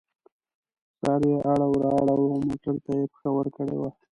سر یې اړو را اړوو او موټر ته یې پښه ورکړې وه.